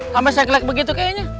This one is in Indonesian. sampai sakit sakit begitu kayaknya